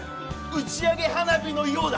打ち上げ花火のようだ！